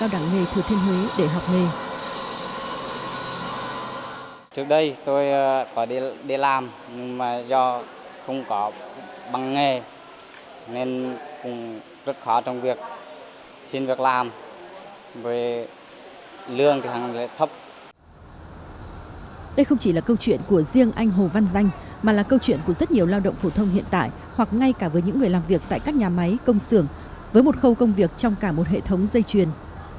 đây không chỉ là câu chuyện của riêng anh hồ văn danh mà là câu chuyện của rất nhiều lao động phổ thông hiện tại hoặc ngay cả với những người làm việc tại các nhà máy công xưởng với một khâu công việc trong cả một hệ thống dây truyền